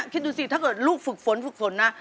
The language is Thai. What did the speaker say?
คิดดูสิถ้าเกิดลูกฝึกฝนนะ